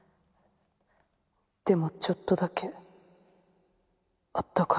でもちょっとだけあったかい。